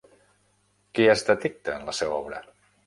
Què es detecta en la seva obra?